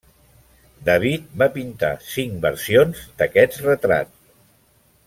David va pintar cinc versions d'aquest retrat.